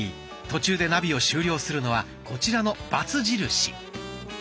途中でナビを終了するのはこちらのバツ印。